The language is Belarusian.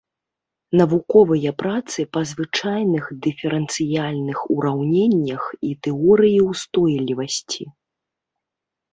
Навуковыя працы па звычайных дыферэнцыяльных ураўненнях і тэорыі ўстойлівасці.